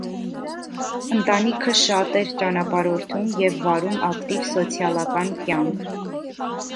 Ընտանիքը շատ էր ճանապարհորդում և վարում ակտիվ սոցիալական կյանք։